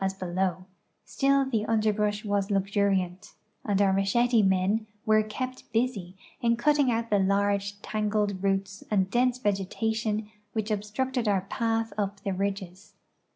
as below, still the underl)rush was luxuriant, and our machete men were kept busy in cutting out the large tangled roots and dense vegetation which obstructed our path up the ridges.